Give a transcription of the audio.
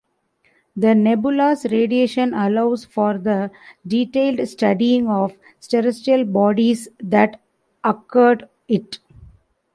The nebula's radiation allows for the detailed studying of celestial bodies that occult it.